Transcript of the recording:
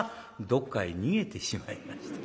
どっかへ逃げてしまいました。